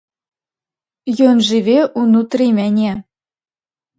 Ён жыве ўнутры мяне.